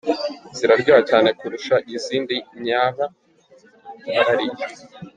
Ziraryoha cyane kurusha izindi nyaba waba warariye.